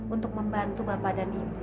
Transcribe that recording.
untuk membantu bapak dan ibu